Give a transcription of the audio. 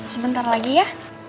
sebentar lagi ya